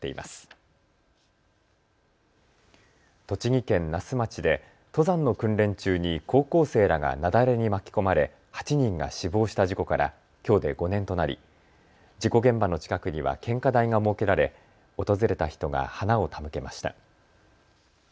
栃木県那須町で登山の訓練中に高校生らが雪崩に巻き込まれ８人が死亡した事故からきょうで５年となり事故現場の近くには献花台が設けられ訪れた人が花を手向けました。